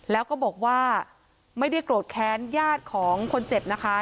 แล้วก็บอกว่าไม่ได้โกรธแค้นญาติของคนเจ็บนะคะ